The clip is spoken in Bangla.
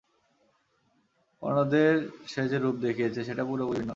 অন্যদের সে যে রূপ দেখিয়েছে সেটা পুরোপুরি ভিন্ন।